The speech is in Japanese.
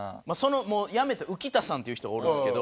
もうやめたウキタさんっていう人がおるんですけど。